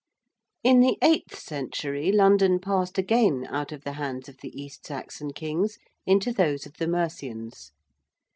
In the eighth century London passed again out of the hands of the East Saxon kings into those of the Mercians.